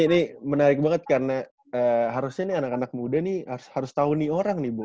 ini menarik banget karena harusnya nih anak anak muda nih harus tahu nih orang nih bu